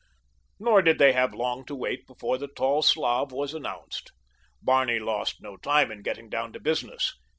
Nor did they have long to wait before the tall Slav was announced. Barney lost no time in getting down to business.